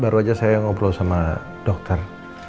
baru aja saya ngobrol sama dokter